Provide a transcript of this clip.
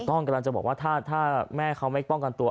กำลังจะบอกว่าถ้าแม่เขาไม่ป้องกันตัว